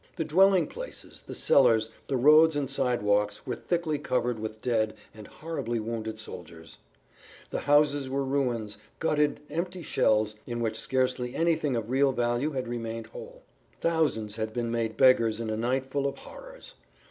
The dwelling places, the cellars, the roads and side walks were thickly covered with dead and horribly wounded soldiers; the houses were ruins, gutted, empty shells in which scarcely anything of real value had remained whole. Thousands had been made beggars in a night full of horrors.